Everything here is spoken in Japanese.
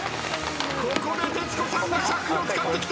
ここで徹子さんがシャッフルを使ってきた。